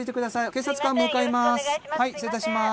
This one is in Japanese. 警察官向かいます。